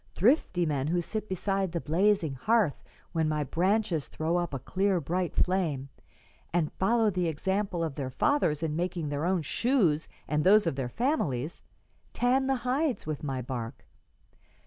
Thrifty men who sit beside the blazing hearth when my branches throw up a clear bright flame, and follow the example of their fathers in making their own shoes and those of their families, tan the hides with my bark.